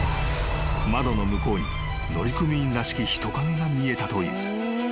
［窓の向こうに乗組員らしき人影が見えたという］